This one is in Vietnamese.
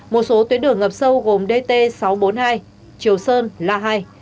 một số tuyến đường ngập sâu gồm dt sáu trăm bốn mươi hai triều sơn la hai